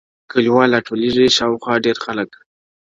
کليوال راټولېږي شاوخوا ډېر خلک،